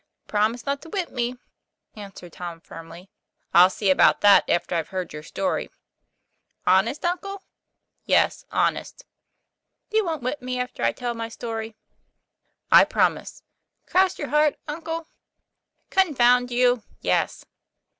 "Promise not to whip me," answered Tom, firmly. " I'll see about that after I've heard your story." " Honest, uncle ?" "Yes, honest." " You won't whip me till I tell my story ?"" I promise." " Cross your heart, uncle ?" "Confound you! yes."